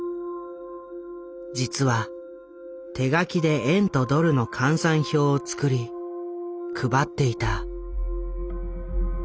実は手書きで円とドルの換算表を作り配っていた。